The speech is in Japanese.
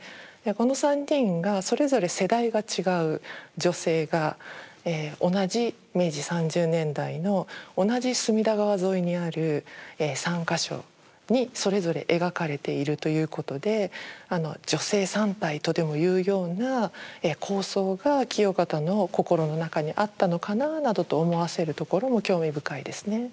この３人がそれぞれ世代が違う女性が同じ明治３０年代の同じ隅田川沿いにある３か所にそれぞれ描かれているということで女性３体とでもいうような構想が清方の心の中にあったのかななどと思わせるところも興味深いですね。